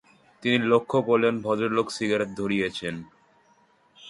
তিনি লক্ষ করলেন, ভদ্রলোক সিগারেট ধরিয়েছেন।